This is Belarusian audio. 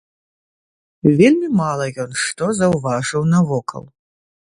Вельмі мала ён што заўважыў навокал.